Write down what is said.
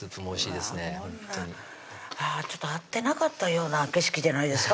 ほんとにああってなかったような景色じゃないですか？